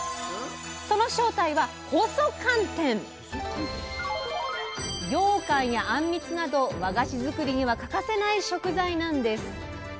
その正体はようかんやあんみつなど和菓子作りには欠かせない食材なんです。